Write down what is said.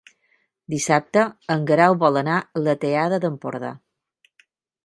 Dissabte en Guerau vol anar a la Tallada d'Empordà.